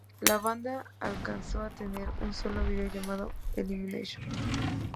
La banda alcanzó a tener un solo video llamado Elimination.